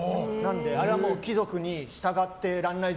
あれは貴族に従ってらんないぞ